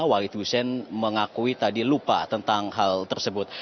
wai tusein mengakui tadi lupa tentang hal tersebut